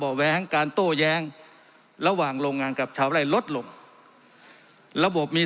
แว้งการโต้แย้งระหว่างโรงงานกับชาวไล่ลดลงระบบมี